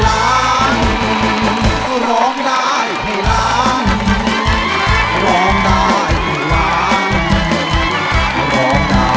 สวัสดีครับ